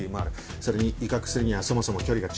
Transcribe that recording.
それに威嚇するにはそもそも距離が近すぎる。